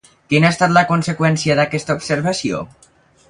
Quina ha estat la conseqüència d'aquesta observació?